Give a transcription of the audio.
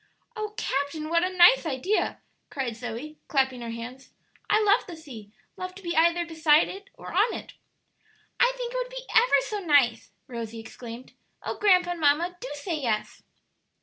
"Oh, captain, what a nice idea!" cried Zoe, clapping her hands. "I love the sea love to be either beside it or on it." "I think it would be ever so nice!" Rosie exclaimed. "Oh, grandpa and mamma, do say yes!"